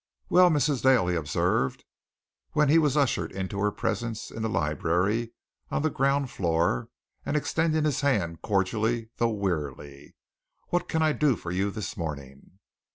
"Well, Mrs. Dale," he observed, when he was ushered into her presence in the library on the ground floor, and extending his hand cordially, though wearily, "what can I do for you this morning?"